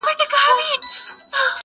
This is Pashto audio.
o نه یم رسېدلی لا سپېڅلیي لېونتوب ته زه,